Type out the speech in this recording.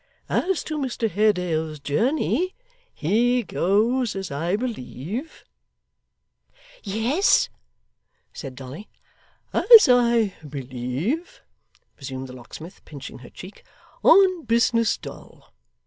As to Mr Haredale's journey, he goes, as I believe ' 'Yes,' said Dolly. 'As I believe,' resumed the locksmith, pinching her cheek, 'on business, Doll.